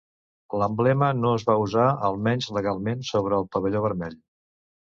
L'emblema no es va usar, almenys legalment, sobre el pavelló vermell.